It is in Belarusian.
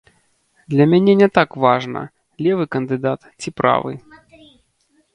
Для мяне не так важна, левы кандыдат ці правы.